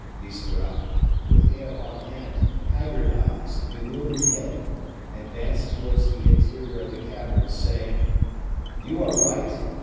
Biscarrat, with hair on end, haggard eyes, and bewildered head, advanced towards the interior of the cavern, saying, "You are right.